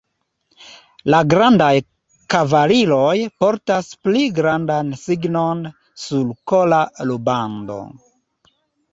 La grandaj kavaliroj portas pli grandan signon, sur kola rubando.